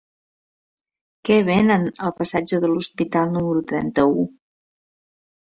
Què venen al passatge de l'Hospital número trenta-u?